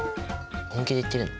本気で言ってるの？